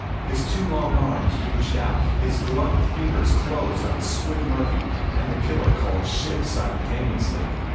His two long arms reached out. His gloved fingers closed on Squid Murphy and the killer called Shiv simultaneously.